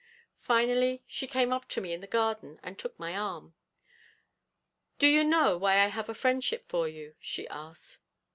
Finally she came up to me in the garden and took my arm: 'Do you know why I have a friendship for you?' she asked.